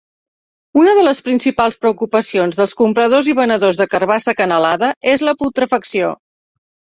Una de les principals preocupacions dels compradors i venedors de carbassa acanalada és la putrefacció.